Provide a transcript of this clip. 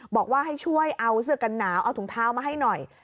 บอกว่าให้ช่วยเอาเสื้อกันหนาวเอาถุงเท้ามาให้หน่อย